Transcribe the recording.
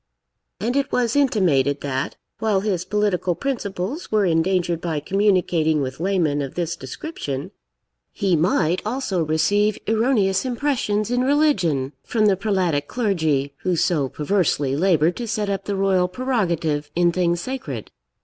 And it was intimated, that, while his political principles were endangered by communicating with laymen of this description, he might also receive erroneous impressions in religion from the prelatic clergy, who so perversely laboured to set up the royal prerogative in things sacred.